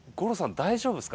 大丈夫ですか？